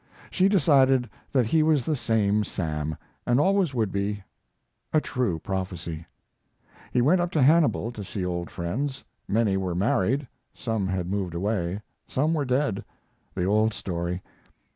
She decided that he was the same Sam, and always would be a true prophecy. He went up to Hannibal to see old friends. Many were married; some had moved away; some were dead the old story.